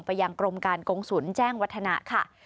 ไปยังกรมการกงศูนย์แจ้งวัฒนะค่ะ